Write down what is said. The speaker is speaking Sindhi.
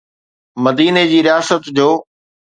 مديني جي رياست جو.